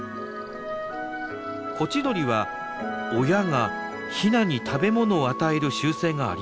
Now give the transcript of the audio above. コチドリは親がヒナに食べ物を与える習性がありません。